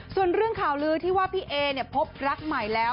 ส่วนเรื่องข่าวลือที่ว่าพี่เอพบรักใหม่แล้ว